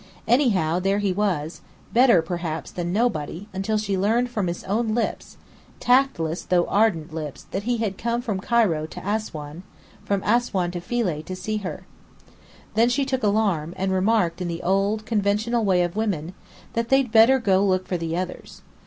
Anyhow, there he was; better, perhaps, than nobody, until she learned from his own lips tactless though ardent lips that he had come from Cairo to Assuan, from Assuan to Philae, to see her. Then she took alarm, and remarked in the old, conventional way of women, that they'd "better go look for the others."